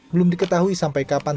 belum diketahui sampai kapan